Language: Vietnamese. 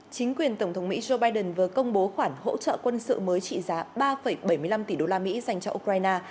chính quyền tổng thống mỹ joe biden vừa công bố khoản hỗ trợ quân sự mới trị giá ba bảy mươi năm tỷ đô la mỹ dành cho ukraine